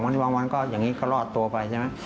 วันนี้บางวันก็อย่างนี้ก็รอดตัวไปใช่ไหม